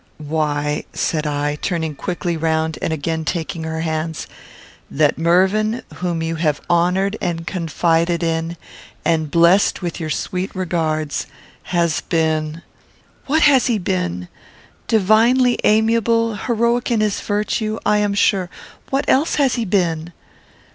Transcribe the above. "Why," said I, turning quickly round and again taking her hands, "that Mervyn, whom you have honoured and confided in, and blessed with your sweet regards, has been " "What has he been? Divinely amiable, heroic in his virtue, I am sure. What else has he been?"